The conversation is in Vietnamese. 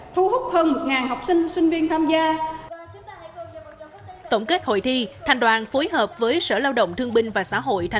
thu hút hơn một học sinh sinh viên tham gia